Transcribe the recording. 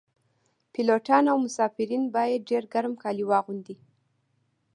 پیلوټان او مسافرین باید ډیر ګرم کالي واغوندي